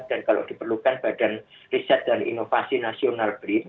dan kalau diperlukan badan riset dan inovasi nasional brit